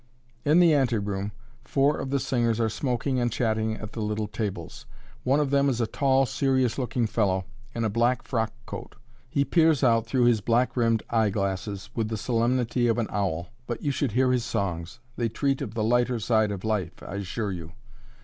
In the anteroom, four of the singers are smoking and chatting at the little tables. One of them is a tall, serious looking fellow, in a black frock coat. He peers out through his black rimmed eyeglasses with the solemnity of an owl but you should hear his songs! they treat of the lighter side of life, I assure you.